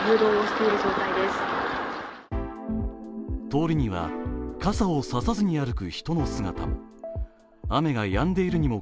通りには傘を差さずに歩く人の姿も。